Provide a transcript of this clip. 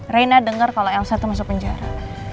reina denger kalo elsa tuh masuk penjara